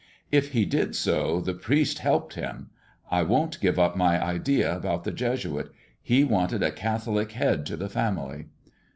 "If he did so the priest helped him. I won't give up my idea about the Jesuit. He wanted a Catholic head to the family."